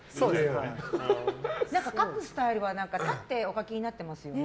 書くスタイルは立ってお書きになってますよね。